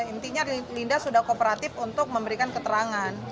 intinya linda sudah kooperatif untuk memberikan keterangan